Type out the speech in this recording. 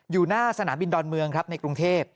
อยู่หน้าสนามบินดอนเมืองครับในกรุงเทพ